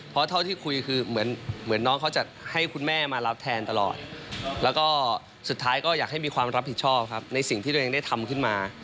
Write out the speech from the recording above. เพราะเท่าที่คุยคือเหมือนน้องเขาจะให้คุณแม่มารับแทนตลอดแล้วก็สุดท้ายก็อยากให้มีความรับผิดชอบครับในสิ่งที่ตัวเองได้ทำขึ้นมา